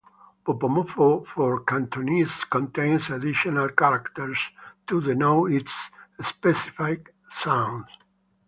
Bopomofo for Cantonese contains additional characters to denote its specific sounds.